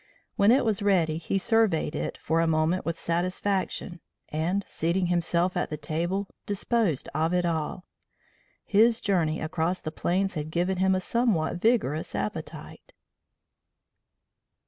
When it was ready he surveyed it for a moment with satisfaction, and, seating himself at the table, disposed of it all. His journey across the plains had given him a somewhat vigorous appetite.